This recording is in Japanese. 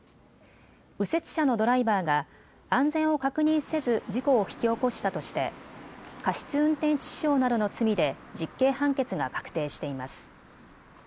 右折車のドライバーが安全を確認せず事故を引き起こしたとして過失運転致死傷などの罪で実刑判決が確定しています。